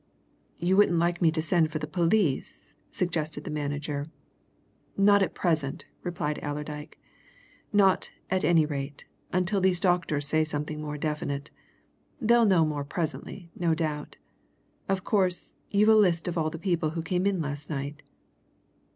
"You wouldn't like me to send for the police?" suggested the manager. "Not at present," replied Allerdyke. "Not, at any rate, until these doctors say something more definite they'll know more presently, no doubt. Of course, you've a list of all the people who came in last night?"